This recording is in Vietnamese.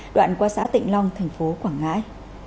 đoạn qua xã tịnh long tp quảng ngãi